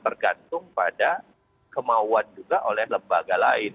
tergantung pada kemauan juga oleh lembaga lain